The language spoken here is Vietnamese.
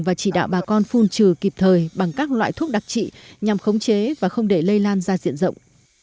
và chỉ đạo bà con phun trừ kịp thời bằng các loại thuốc đặc trị nhằm khống chế và không để lây lan ra diện rộng